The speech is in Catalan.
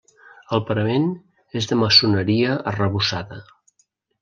El parament és de maçoneria arrebossada.